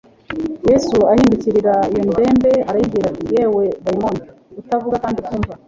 Yesu ahindukirira iyo ndembe, arayibwira ati :« Yewe dayimoni utavuga kandi utumva,